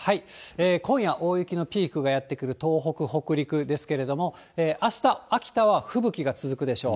今夜、大雪のピークがやって来る東北、北陸ですけれども、あした、秋田は吹雪が続くでしょう。